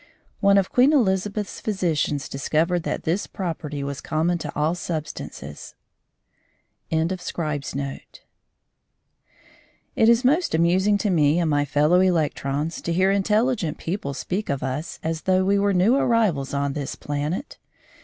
One of Queen Elizabeth's physicians discovered that this property was common to all substances. CHAPTER III THE NEW ARRIVAL It is most amusing to me and my fellow electrons to hear intelligent people speak of us as though we were new arrivals on this planet.